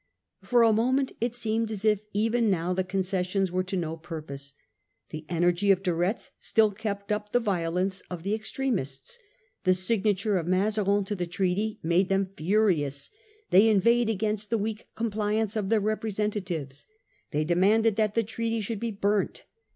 For a moment it seemed as if even now the concessions were to no purpose. The energy of De Retz still kept up the violence of the extremists. The signature of Mazarin to the treaty made them furious ; they inveighed against the weak compliance of their representatives ; they de manded that the treaty should be burnt.